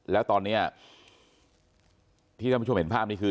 แล้วตอนนี้ที่ท่านผู้ชมเห็นภาพนี้คือ